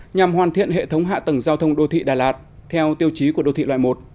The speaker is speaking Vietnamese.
nhằm hoàn thiện hệ thống hạ tầng giao thông đô thị đà lạt theo tiêu chí của đô thị loại một